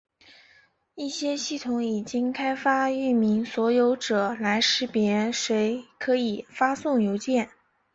一些系统已经开发域名所有者来识别谁可以发送邮件。